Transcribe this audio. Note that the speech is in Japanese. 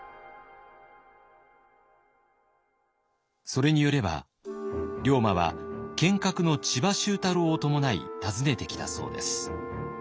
それによれば龍馬は剣客の千葉周太郎を伴い訪ねてきたそうです。